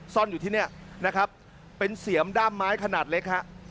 ซ่อนอยู่ที่นี่นะครับเป็นเสียมด้ามไม้ขนาดเล็กฮะ